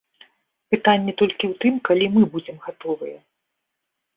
Пытанне толькі ў тым, калі мы будзем гатовыя.